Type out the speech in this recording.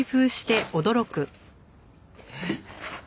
えっ！？